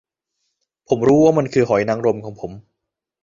ผมรู้ว่ามันคือหอยนางรมของผม